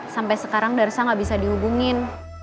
sampai sekarang darsa gak bisa dihubungin